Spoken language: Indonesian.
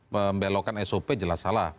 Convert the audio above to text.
pembelokan sop jelas salah